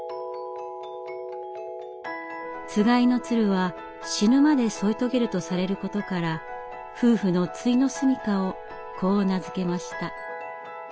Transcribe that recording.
つがいの鶴は死ぬまで添い遂げるとされることから夫婦のついの住みかをこう名付けました。